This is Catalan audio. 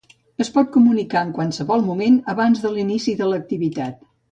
Es pot comunicar en qualsevol moment abans de l'inici de l'activitat.